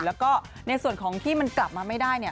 แล้วก็ในส่วนของที่มันกลับมาไม่ได้เนี่ย